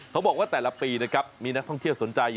เขาบอกว่าแต่ละปีนะครับมีนักท่องเที่ยวสนใจ